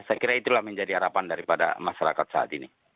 saya kira itulah menjadi harapan daripada masyarakat saat ini